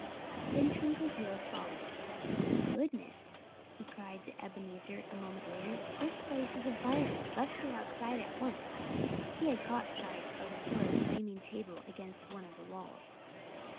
Then Twinkleheels followed. "Goodness!" he cried to Ebenezer a moment later. "This place is afire. Let's get outside at once!" He had caught sight of a sort of flaming table against one of the walls.